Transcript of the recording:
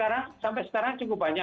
jadi sampai sekarang cukup banyak